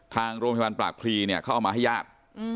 ทางโรงพยาบาลปรากภีร์เขาเอามาให้ญาติ